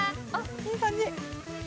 いい感じ。